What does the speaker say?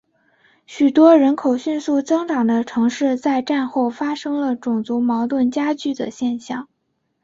许多人口迅速增长的城市在战后发生了种族矛盾加剧的现象。